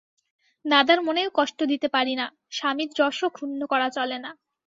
দাদার মনেও কষ্ট দিতে পারি না, স্বামীর যশও ক্ষুণ্ন করা চলে না।